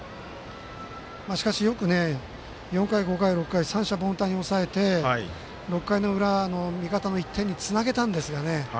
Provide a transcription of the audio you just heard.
しかし、４回、５回、６回三者凡退に抑えて６回の裏の味方の１点につなげたんですよね。